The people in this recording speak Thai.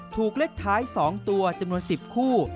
ถูกเลขท้าย๒ตัวจำนวน๑๐คู่